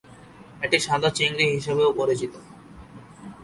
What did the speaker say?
এটি সাদা চিংড়ি হিসেবেও পরিচিত।